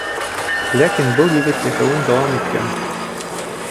Ләкин был егет йәшәүен дауам иткән.